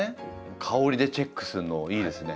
香りでチェックするのいいですね。